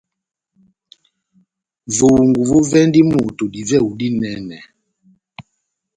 Vohungu vovɛndi moto divɛhu dinɛnɛ.